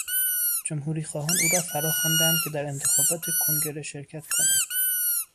جمهوری خواهان او را فراخواندند که در انتخابات کنگره شرکت کند.